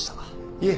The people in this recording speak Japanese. いえ。